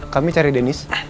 kami cari dennis